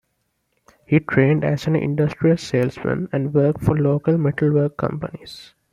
He trained as an industrial salesman and worked for local metalwork companies.